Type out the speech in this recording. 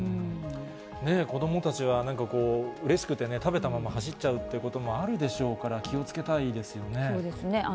子どもたちはなんかこう、うれしくてね、食べたまま走っちゃうってこともあるでしょうから、気をつけたいそうですね。